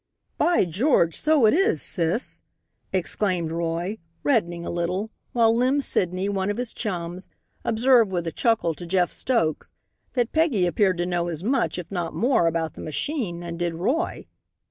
"By George, so it is, sis!" exclaimed Roy, reddening a little, while Lem Sidney, one of his chums, observed with a chuckle to Jeff Stokes, that Peggy appeared to know as much, if not more, about the machine than did Roy.